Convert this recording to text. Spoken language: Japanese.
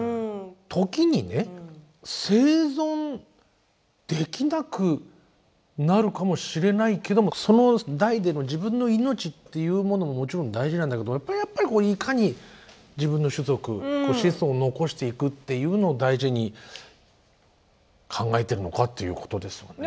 時にね生存できなくなるかもしれないけどもその代での自分の命っていうものももちろん大事なんだけどやっぱりいかに自分の種族子孫を残していくっていうのを大事に考えてるのかっていうことですよね。